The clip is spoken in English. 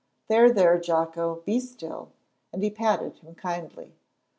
"There, there, Jocko, be still," and he patted him kindly.